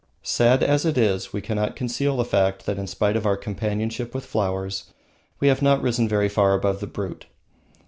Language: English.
Sad as it is, we cannot conceal the fact that in spite of our companionship with flowers we have not risen very far above the brute.